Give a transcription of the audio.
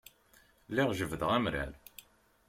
Lliɣ jebbdeɣ amrar.